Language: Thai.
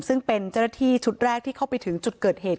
ซึ่งเป็นเจ้าหน้าที่ชุดแรกที่เข้าไปถึงจุดเกิดเหตุ